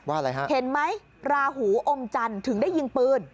อะไรฮะเห็นไหมราหูอมจันทร์ถึงได้ยิงปืน